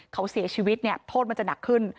เขาเสียชีวิตเนี่ยโทษมันจะหนักขึ้น